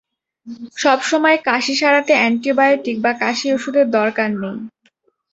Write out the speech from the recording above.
সব সময় কাশি সারাতে অ্যান্টিবায়োটিক বা কাশির ওষুধের দরকার নেই।